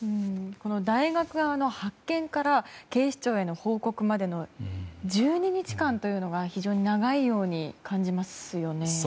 大学側の発見から警視庁への報告までの１２日間というのが非常に長いように感じますよね。